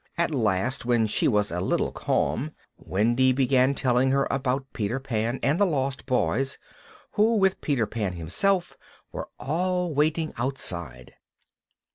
At last, when she was a little calm, Wendy began telling her about Peter Pan and the Lost Boys, who with Peter Pan himself were all waiting outside.